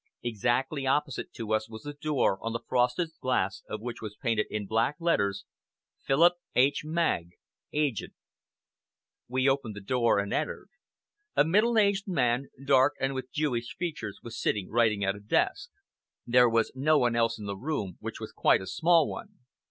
Exactly opposite to us was a door, on the frosted glass of which was painted in black letters: "PHILIP H. MAGG, AGENT" We opened the door and entered. A middle aged man, dark and with Jewish features, was sitting writing at a desk. There was no one else in the room, which was quite a small one.